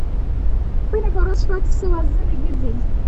وینه په ورځ شپږ سوه ځلې ګرځي.